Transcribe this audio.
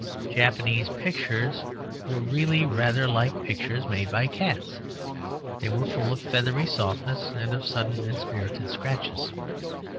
Japanese pictures were really rather like pictures made by cats. They were full of feathery softness and of sudden and spirited scratches.